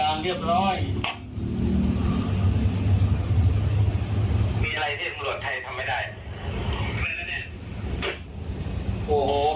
มีอะไรที่มรวดไทยทำไมได้ไม่ได้แน่โอ้โหมันเข้าพวกหลังอ่ะ